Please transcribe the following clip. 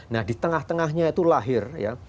nah di tengah tengahnya itu lahir ya